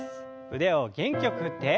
腕を元気よく振って。